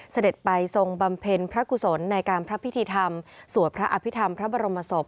เสด็จไปทรงบำเพ็ญพระกุศลในการพระพิธีธรรมสวดพระอภิษฐรรมพระบรมศพ